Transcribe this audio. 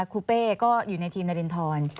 เป้ก็อยู่ในทีมนารินทร